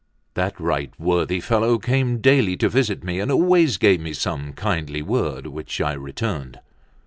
That right worthy fellow came daily to visit me, and always gave me some kindly word, which I returned.